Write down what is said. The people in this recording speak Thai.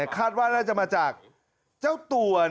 คาดว่าน่าจะมาจากเจ้าตัว